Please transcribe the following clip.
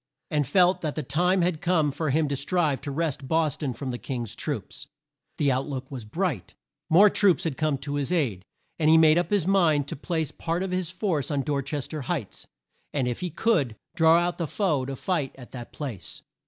and felt that the time had come for him to strive to wrest Bos ton from the King's troops. The out look was bright. More troops had come to his aid, and he made up his mind to place part of his force on Dor ches ter Heights, and, if he could, draw out the foe to fight at that place.